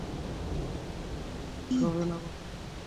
এই অপমানের পালা কি শেষ হবে না কখনো?